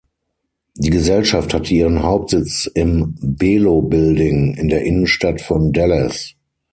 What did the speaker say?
Die Gesellschaft hat ihren Hauptsitz im Belo Building in der Innenstadt von Dallas.